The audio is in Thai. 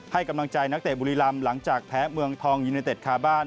ให้กำลังใจนักเตะบุรีรำหลังจากแพ้เมืองทองยูเนเต็ดคาบ้าน